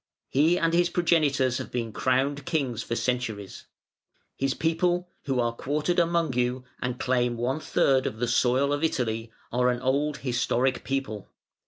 He and his progenitors have been crowned Kings for centuries. His people, who are quartered among you and claim one third of the soil of Italy, are an old, historic people.